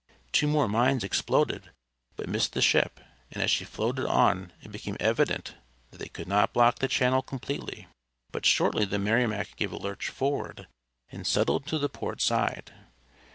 Two more mines exploded, but missed the ship, and as she floated on it became evident that they could not block the channel completely. But shortly the Merrimac gave a lurch forward and settled to the port side.